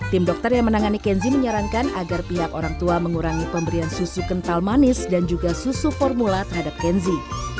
tim dokter yang menangani kenzi menyarankan agar pihak orang tua mengurangi pemberian susu kental manis dan juga susu formula terhadap kenzi